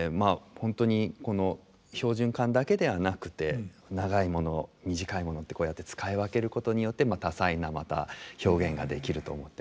本当にこの標準管だけではなくて長いもの短いものってこうやって使い分けることによって多彩なまた表現ができると思ってます。